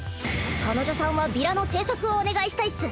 彼女さんはビラの制作をお願いしたいっス。